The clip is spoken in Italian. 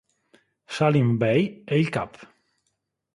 Salim Bey e il cap.